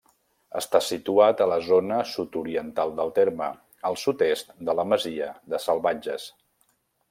Està situat a la zona sud-oriental del terme, al sud-est de la masia de Salvatges.